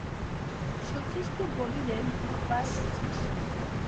শচীশকে বলিলেন, গুডবাই শচীশ!